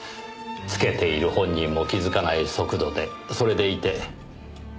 つけている本人も気づかない速度でそれでいて正確に。